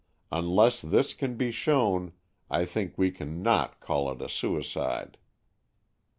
Unless this can be shown, I think we can not call it a suicide."